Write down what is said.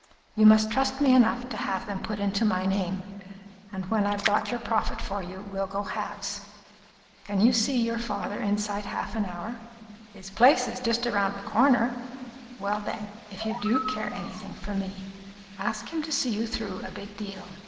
You must trust me enough to have them put into my name, and when I've got your profit for you, we'll go halves. Can you see your father inside half an hour?" "His place is just round the corner." "Well, then, if you do care anything for me, ask him to see you through a big deal.